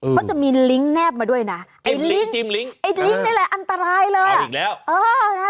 เขาจะมีลิ้งค์แนบมาด้วยนะไอลิ้งค์อันตรายเลยเอาอีกแล้ว